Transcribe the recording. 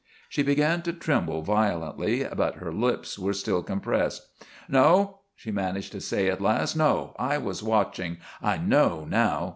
She began to tremble violently, but her lips were still compressed. "No," she managed to say at last. "No! I was watching! I know now!